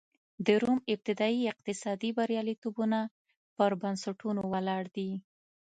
د روم ابتدايي اقتصادي بریالیتوبونه پر بنسټونو ولاړ و